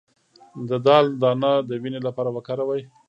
د دال دانه د وینې لپاره وکاروئ